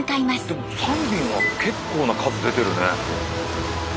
でも３便は結構な数出てるね。